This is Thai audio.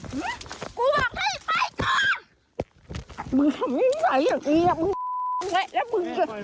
หือกูบอกให้ไปไหวมึงพูดจ้ากับกูอย่างงี้เหรอหือไอ้เมฆ